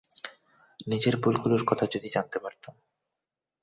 নিজের ভুলগুলোর কথা যদি জানতে পারতাম।